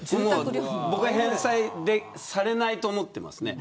僕は返済されないと思ってますね。